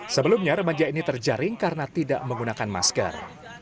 sebelumnya remaja ini terjaring karena tidak menggunakan masker